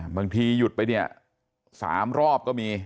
บางทีหยุดไปเนี่ย๓รอบก็มี